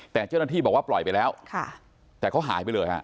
แต่เจ้าหน้าที่บอกว่าปล่อยไปแล้วแต่เขาหายไปเลยฮะ